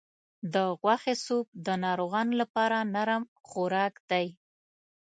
د غوښې سوپ د ناروغانو لپاره نرم خوراک دی.